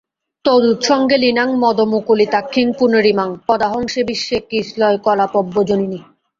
ত্বদুৎসঙ্গে লীনাং মদমুকুলিতাক্ষীং পুনরিমাং কদাহং সেবিষ্যে কিসলয়কলাপব্যজনিনী।